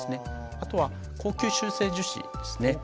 あとは高吸収性樹脂ですね。